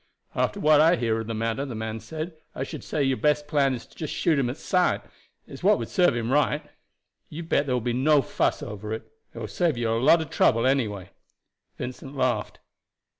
"After what I hear of the matter," the man said, "I should say your best plan is just to shoot him at sight. It's what would serve him right. You bet there will be no fuss over it. It will save you a lot of trouble anyway." Vincent laughed.